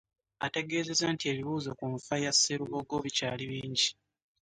Ategeezezza nti ebibuuzo ku nfa ya Sserubogo bikyali bingi